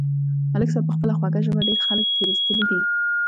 ملک صاحب په خپله خوږه ژبه ډېر خلک تېر ایستلي دي.